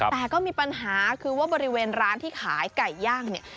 แต่ก็มีปัญหาคือว่าบริเวณร้านที่ขายไก่ย่างเนี่ย